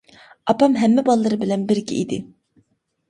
ئاپام ھەممە باللىرى بىلەن بىرگە ئىدى.